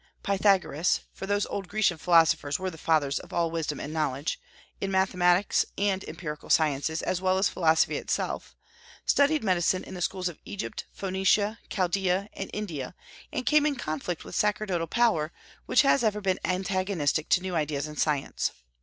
Pythagoras for those old Grecian philosophers were the fathers of all wisdom and knowledge, in mathematics and empirical sciences as well as philosophy itself studied medicine in the schools of Egypt, Phoenicia, Chaldaea, and India, and came in conflict with sacerdotal power, which has ever been antagonistic to new ideas in science.